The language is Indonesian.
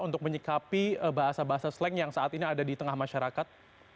untuk menyikapi bahasa bahasa slang yang saat ini ada di tengah masyarakat